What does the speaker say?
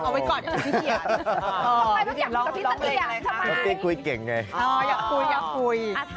เอาไว้กอดพี่สะเทียนอ๋อพี่สะเทียนคุยเก่งไงอ๋ออยากคุยอยากคุยอ่า